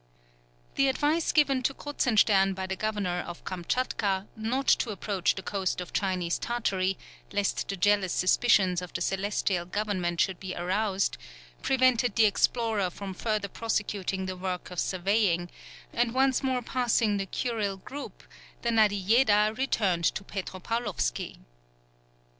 The advice given to Kruzenstern by the Governor of Kamtchatka, not to approach the coast of Chinese Tartary, lest the jealous suspicions of the Celestial Government should be aroused, prevented the explorer from further prosecuting the work of surveying; and once more passing the Kurile group, the Nadiejeda returned to Petropaulovsky.